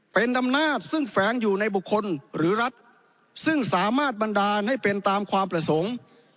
เป็นดำนาจซึ่งแฝงอยู่ในบุคคลหรือรัฐซึ่งสามารถบันดาลให้เป็นตามความประสงค์